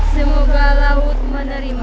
semoga laut menerima